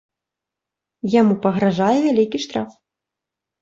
Яму пагражае вялікі штраф.